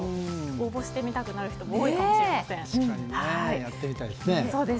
応募してみたくなる人も多いかもしれません。